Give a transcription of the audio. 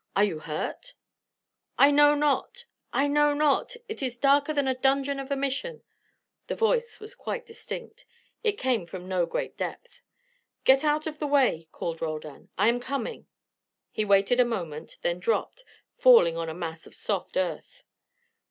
"Are you hurt?" "I know not! I know not! It is darker than a dungeon of a Mission." The voice was quite distinct. It came from no great depth. "Get out of the way," called Roldan. "I am coming." He waited a moment, then dropped, falling on a mass of soft earth.